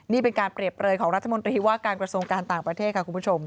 นี่เป็นการเปรียบร้อยของรัฐมนตรีว่าการประสงค์การต่างประเทศค่ะ